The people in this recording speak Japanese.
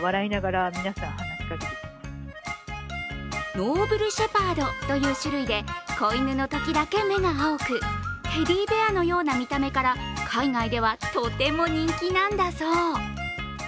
ノーブルシェパードという種類で子犬のときだけ目が青くテディベアのような見た目から海外ではとても人気なんだそう。